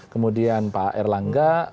kemudian pak erlangga